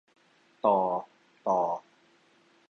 ตอ ฏอ